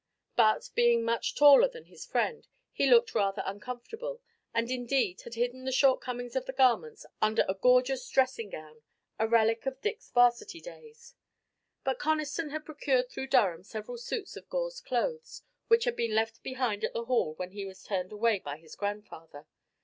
But, being much taller than his friend, he looked rather uncomfortable, and indeed had hidden the shortcomings of the garments under a gorgeous dressing gown, a relic of Dick's 'Varsity days. But Conniston had procured through Durham several suits of Gore's clothes which had been left behind at the Hall when he was turned away by his grandfather.